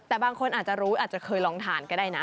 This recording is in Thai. แต่บางคนอาจจะรู้อาจจะเคยลองทานก็ได้นะ